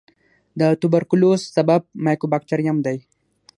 د توبرکلوس سبب مایکوبیکټریم دی.